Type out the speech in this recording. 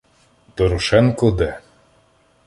Дорошенко Д.